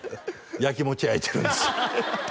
やきもち焼いてるんですよ